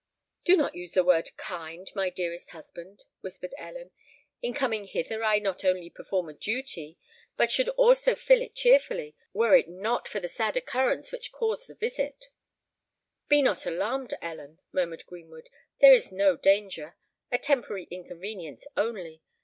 "Do not use the word kind, my dearest husband," whispered Ellen: "in coming hither I not only perform a duty—but should also fulfil it cheerfully, were it not for the sad occurrence which caused the visit." "Be not alarmed, Ellen," murmured Greenwood: "there is no danger—a temporary inconvenience only!